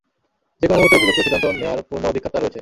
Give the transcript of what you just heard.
যে কোন মুহূর্তে উপযুক্ত সিদ্ধান্ত নেয়ার পূর্ণ অধিকার তার রয়েছে।